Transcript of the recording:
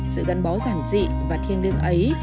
sự gắn bó giản dị và thiêng đương ấy